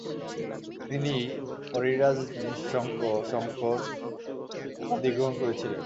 তিনি "অরিরাজ নিঃশঙ্ক শঙ্কর" উপাধি গ্রহণ করেছিলেন।